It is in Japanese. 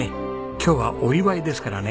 今日はお祝いですからね。